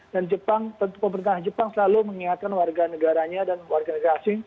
dan pemerintah jepang selalu mengingatkan warga negaranya dan warga negara asing